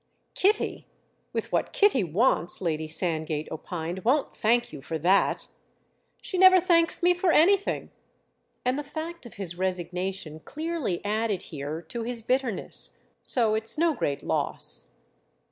"Kitty—with what Kitty wants," Lady Sandgate opined—"won't thank you for that!" "She never thanks me for anything"—and the fact of his resignation clearly added here to his bitterness. "So it's no great loss!"